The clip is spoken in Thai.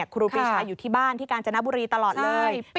ครูปีชาอยู่ที่บ้านที่กาญจนบุรีตลอดเลย